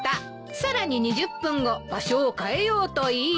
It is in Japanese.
「さらに２０分後場所を変えようと言いだす」